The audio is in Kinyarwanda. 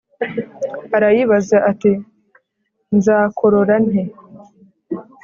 arayibaza ati ‘nzakorora nte?’”